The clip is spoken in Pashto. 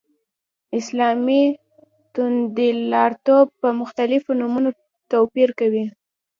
اسلامي توندلاریتوب په مختلفو نومونو توپير کړو.